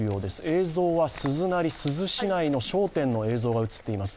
映像はすずなり、珠洲市内の商店の映像が映っています。